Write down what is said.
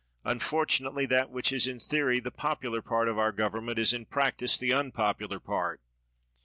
Unfortunately, that which is in theory the popular part of our government, is in practise the unpopular part.